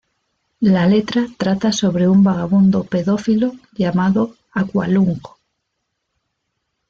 La letra trata sobre un vagabundo pedófilo llamado Aqualung.